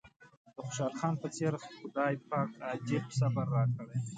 د خوشحال خان په څېر خدای پاک عجيب صبر راکړی.